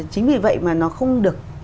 chính vì vậy mà nó không được